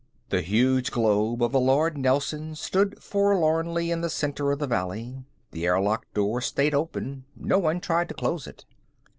The huge globe of the Lord Nelson stood forlornly in the center of the valley. The airlock door stayed open; no one tried to close it.